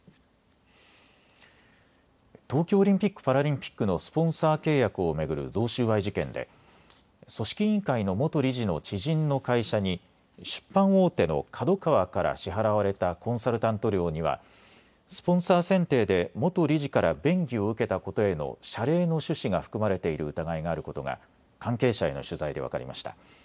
東京オリンピック・パラリンピックのスポンサー契約を巡る贈収賄事件で組織委員会の元理事の知人の会社に出版大手のＫＡＤＯＫＡＷＡから支払われたコンサルタント料にはスポンサー選定で元理事から便宜を受けたことへの謝礼の趣旨が含まれている疑いがあることが関係者への取材で分かりました。